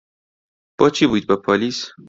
بۆچی بوویت بە پۆلیس؟